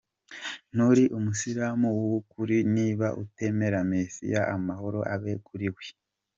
Nturi umuyisilamu w’ukuri niba utemera Mesiya, amahoro abe kuri we.